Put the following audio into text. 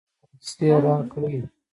پیسې راکړې.